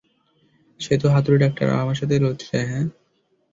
সে তো হাতুড়ে ডাক্তার, আর আমার সাথে লড়তে চায়, হ্যাঁ?